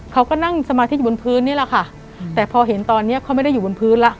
เขาก็นั่งสมาธิอยู่บนพื้นนี่แหละค่ะแต่พอเห็นตอนเนี้ยเขาไม่ได้อยู่บนพื้นแล้ว